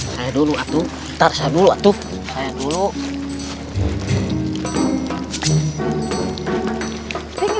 saya dulu atuh tar saya dulu atuh dulu